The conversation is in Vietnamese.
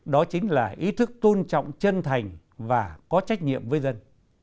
đó chính là ý thức tôn trọng chân thành và có trách nhiệm với dân